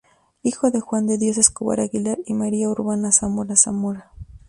Hijo de Juan de Dios Escobar Aguilar y María Urbana Zamora Zamora.